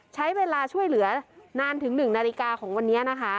ใช้เวลาช่วยเหลือนานถึง๑นาฬิกาของวันนี้นะคะ